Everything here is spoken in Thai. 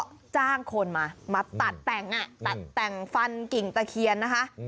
ก็จ้างคนมามาตัดแต่งตัดแต่งฟันกิ่งตะเคียนนะคะ